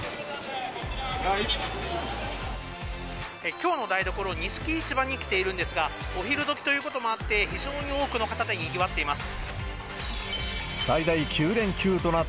きょうの台所、錦市場に来ているんですが、お昼どきということもあって、非常に多くの方でにぎわっています。